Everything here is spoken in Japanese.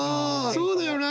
そうだよな